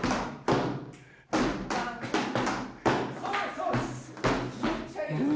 そうです！